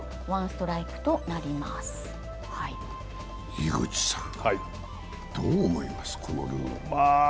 井口さん、どう思います、このルール？